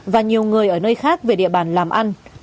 và nhiều người ở nơi khác về địa bàn làm ăn